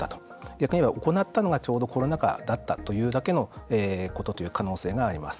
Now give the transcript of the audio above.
逆に言えば行ったのが、ちょうどコロナ禍だったというだけのことという可能性があります。